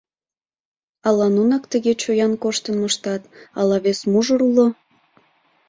Ала нунак тыге чоян коштын моштат, але вес мужыр уло?..»